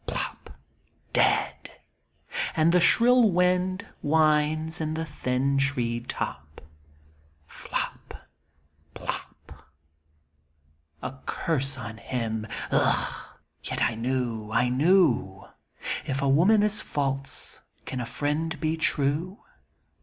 Plop Dead. And the shrill wind whines in the thin tree top. Flop, plop. .♦ A curse on him. Ugh ! yet I knew — I knew — If a woman is false can a friend be tijue